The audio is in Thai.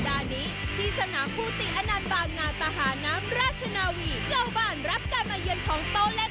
ลูกนี้ทีมเยือนได้โอกาสปลุกโดยเว็นเดล